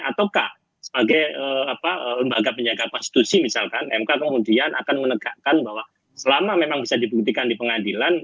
ataukah sebagai lembaga penjaga konstitusi misalkan mk kemudian akan menegakkan bahwa selama memang bisa dibuktikan di pengadilan